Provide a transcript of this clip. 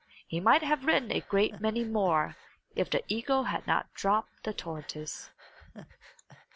He might have written a great many more if the eagle had not dropped the tortoise.